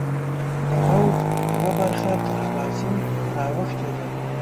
د پوځ یوه برخه تر اباسین را اوښتې ده.